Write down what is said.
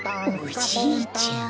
おじいちゃん。